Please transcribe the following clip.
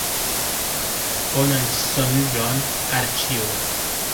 Bonan sonĝon al ĉiuj!